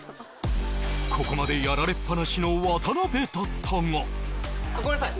ここまでやられっぱなしの渡辺だったがごめんなさい